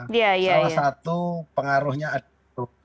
salah satu pengaruhnya ada